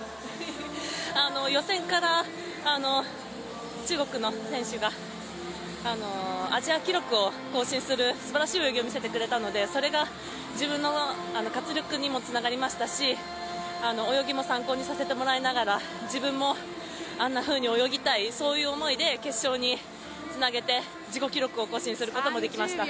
予選から中国の選手がアジア記録を更新するすばらしい泳ぎを見せてくれたのでそれが自分の活力にもつながりましたし泳ぎも参考にさせてもらいながら自分もあんなふうに泳ぎたいそういう思いで決勝につなげて自己記録を更新することもできました。